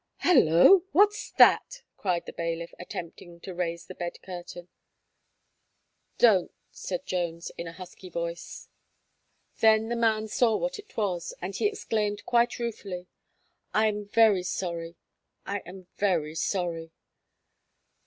"Halloo! what's that?" cried the bailiff, attempting to raise the bed curtain. "Don't," said Jones, in a husky voice. Then the man saw what it was, and he exclaimed quite ruefully: "I am very sorry I am very sorry."